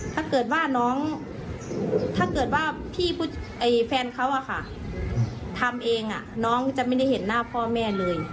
ถ้าเกิดว่าน้องถ้าเกิดว่าแฟนเขาทำเองน้องจะไม่ได้เห็นหน้าพ่อแม่เลย